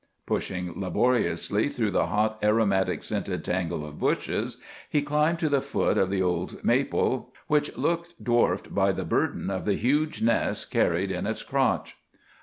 Pushing laboriously through the hot, aromatic scented tangle of bushes, he climbed to the foot of the old maple, which looked dwarfed by the burden of the huge nest carried in its crotch.